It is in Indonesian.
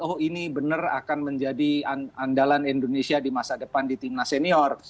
oh ini benar akan menjadi andalan indonesia di masa depan di timnas senior